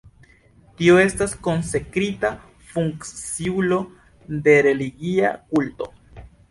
Tio estas konsekrita funkciulo de religia kulto.